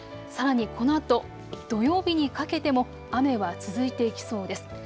さらにこのあと土曜日にかけても雨は続いていきそうです。